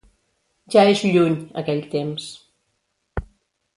Ja és lluny, aquell temps.